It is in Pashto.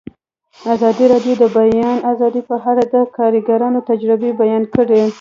ازادي راډیو د د بیان آزادي په اړه د کارګرانو تجربې بیان کړي.